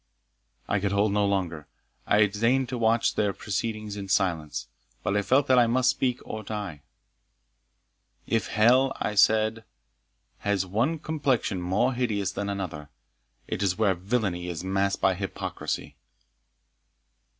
I could hold no longer. I had designed to watch their proceedings in silence, but I felt that I must speak or die. "If hell," I said, "has one complexion more hideous than another, it is where villany is masked by hypocrisy."